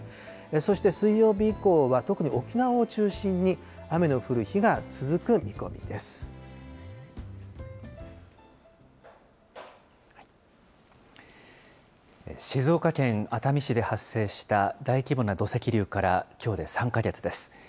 そして水曜日以降は、特に沖縄を中心に、雨の降る日が続く見込み静岡県熱海市で発生した大規模な土石流から、きょうで３か月です。